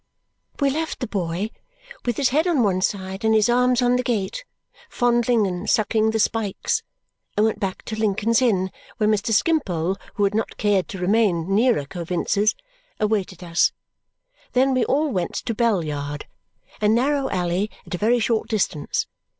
We left the boy, with his head on one side and his arms on the gate, fondling and sucking the spikes, and went back to Lincoln's Inn, where Mr. Skimpole, who had not cared to remain nearer Coavinses, awaited us. Then we all went to Bell Yard, a narrow alley at a very short distance.